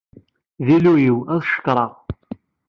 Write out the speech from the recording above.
D Illu-iw, ad k-cekkreɣ.